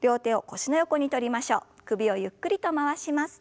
首をゆっくりと回します。